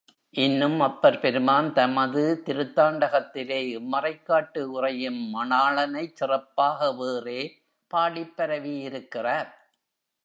இன்னும் அப்பர் பெருமான் தமது திருத்தாண்ட கத்திலே இம்மறைக்காட்டு உறையும் மணாளனைச் சிறப்பாக வேறே பாடிப் பரவியிருக்கிறார்.